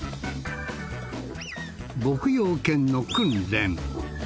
牧羊犬の訓練